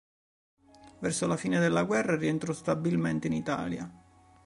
Verso la fine della guerra rientrò stabilmente in Italia.